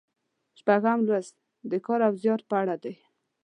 شپږم لوست د کار او زیار په اړه دی.